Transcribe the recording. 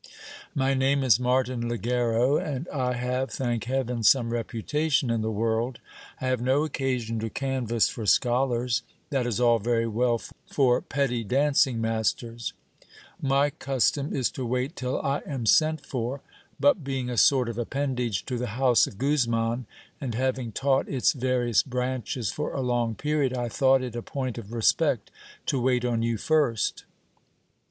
My name is Martin Ligero, and I have, thank heaven, some reputation in the world. I have no occasion to can vass for scholars ; that is all very well for petty dancing masters ! My custom is to wait till I am sent for ; but being a sort of appendage to the house of Guzman, and having taught its various branches for a long period, I thought it a point of respect to wait on you first.